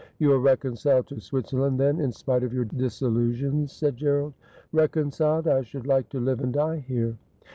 'You are reconciled to Switzerland, then, in spite of your disillusions,' said Gerald. ' Reconciled ! I should like to live and die here.'